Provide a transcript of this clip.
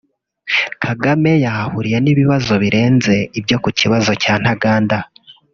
Kagame yahahuriye n’ibibazo birenze ibyo ku kibazo cya Ntaganda